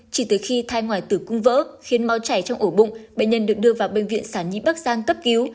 chỉ từ khi thai ngoài tử cung vỡ khiến máu chảy trong ổ bụng bệnh nhân được đưa vào bệnh viện sản nhi bắc giang cấp cứu